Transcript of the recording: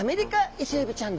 イセエビちゃん！